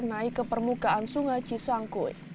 naik ke permukaan sungai cisangkui